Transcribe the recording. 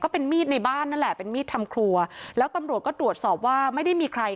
เป็นมีดในบ้านนั่นแหละเป็นมีดทำครัวแล้วตำรวจก็ตรวจสอบว่าไม่ได้มีใคร